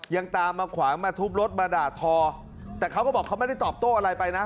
ยังตามมาขวางมาทุบรถมาด่าทอแต่เขาก็บอกเขาไม่ได้ตอบโต้อะไรไปนะ